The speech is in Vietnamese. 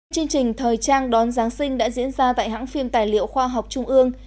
chương trình thời trang đón giáng sinh đã diễn ra tại hãng phim tài liệu khoa học trung ương